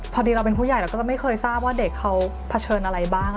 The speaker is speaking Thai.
พอดีเราเป็นผู้ใหญ่เราก็จะไม่เคยทราบว่าเด็กเขาเผชิญอะไรบ้าง